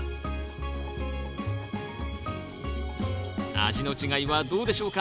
味の違いはどうでしょうか？